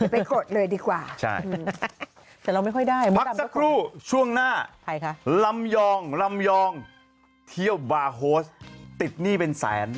ไปกดเลยดีกว่าพักสักครู่ช่วงหน้าลำยองเที่ยวบาร์โฮสติดหนี้เป็นแสน